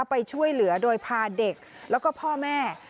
ไปช่วยเหลือโดยพาเด็กแล้วก็พ่อแม่